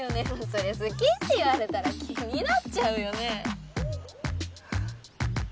そりゃ好きって言われたら気になっちゃうよね